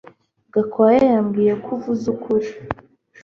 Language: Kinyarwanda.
Gakwaya yambwiye ko uvuze ukuri